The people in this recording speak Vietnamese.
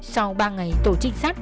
sau ba ngày tổ trinh sát